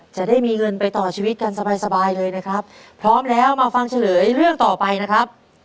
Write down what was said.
จะได้มีเงินไปต่อชีวิตกันสบายสบายเลยนะครับพร้อมแล้วมาฟังเฉลยเรื่องต่อไปนะครับ